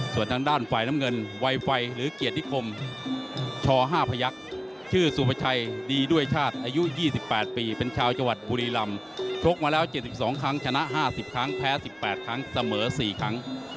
ส่วนทางด้านฝ่ายน้ำเงินไวไฟหรือเกียรตินิคมช๕พยักษ์ชื่อสุภาชัยดีด้วยชาติอายุ๒๘ปีเป็นชาวจังหวัดบุรีรำชกมาแล้ว๗๒ครั้งชนะ๕๐ครั้งแพ้๑๘ครั้งเสมอ๔ครั้ง